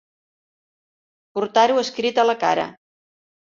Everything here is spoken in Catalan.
Portar-ho escrit a la cara.